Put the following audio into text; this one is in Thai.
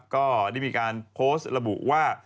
ก็ได้มีการโพสต์ระบุว่า